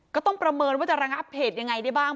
ก็ต้องประเมินว่าจะระงับเหตุยังไงได้บ้าง